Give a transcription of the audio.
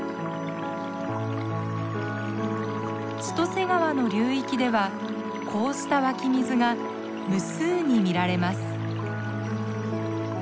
千歳川の流域ではこうした湧き水が無数に見られます。